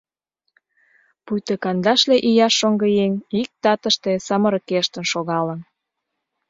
Пуйто кандашле ияш шоҥгыеҥ иктатыште самырыкештын шогалын.